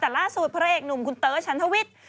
แต่ล่าสุดพระเอกหนุ่มคุณเต๋อชันทวิทย์